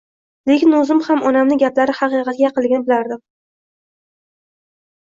Lekin oʻzim xam onamni gaplari xaqiqatga yaqinligini bilardim